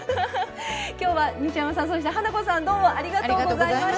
今日は西山さんそして花子さんどうもありがとうございました。